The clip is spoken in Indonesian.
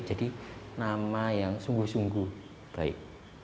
jadi nama yang sungguh sungguh baik